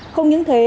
không những thế